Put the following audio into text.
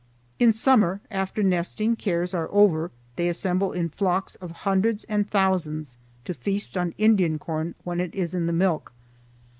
In summer, after nesting cares are over, they assemble in flocks of hundreds and thousands to feast on Indian corn when it is in the milk.